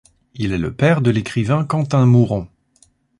Il est le père de l'écrivain Quentin Mouron.